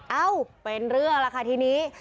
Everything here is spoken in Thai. เอ้าเป็นเรื่องล่ะค่ะทีนี้